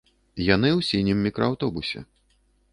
Яны ў сінім мікрааўтобусе.